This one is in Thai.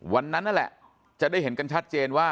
นั่นแหละจะได้เห็นกันชัดเจนว่า